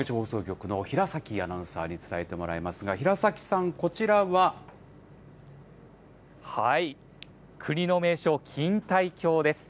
山口放送局の平崎アナウンサーに伝えてもらいますが、平崎さん、国の名勝、錦帯橋です。